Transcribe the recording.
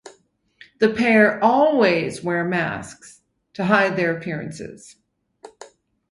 The pair always wear masks to hide their appearances.